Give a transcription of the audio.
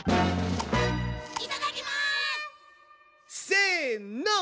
せの！